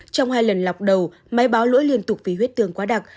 trong hai lần lọc đầu máy báo lỗi liên tục vì huyết tương quá đặc